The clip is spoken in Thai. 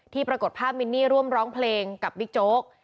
ปรากฏภาพมินนี่ร่วมร้องเพลงกับบิ๊กโจ๊ก